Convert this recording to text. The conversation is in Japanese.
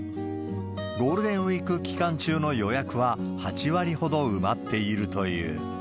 ゴールデンウィーク期間中の予約は８割ほど埋まっているという。